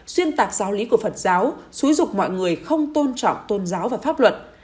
xuyên tạc giáo lý của phật giáo xúi dục mọi người không tôn trọng tôn giáo và pháp luật